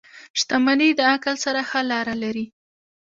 • شتمني د عقل سره ښه لاره لري.